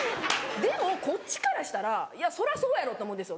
でもこっちからしたら「そらそうやろ」と思うんですよ。